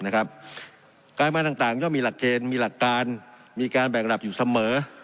การมาต่างย่อมมีหลักเกณฑ์มีหลักการมีการแบ่งระดับอยู่เสมอ